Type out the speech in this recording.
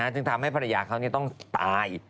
จึงทำให้ภรรยาเขาต้องตาย